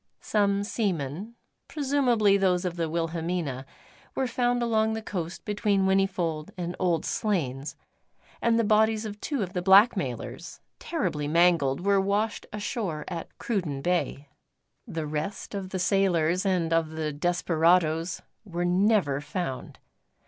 Some seamen presumably those of the Wilhelmina were found along the coast between Whinnyfold and Old Slains, and the bodies of two of the blackmailers, terribly mangled, were washed ashore at Cruden Bay. The rest of the sailors and of the desperadoes were never found.